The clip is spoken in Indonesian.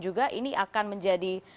juga ini akan menjadi